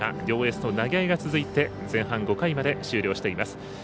両エースの投げ合いが続いて前半５回まで終了しています。